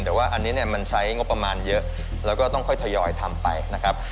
แต่ว่าอันนี้เนี่ยมันใช้งบประมาณเยอะแล้วก็ต้องค่อยทยอยทำไปนะครับ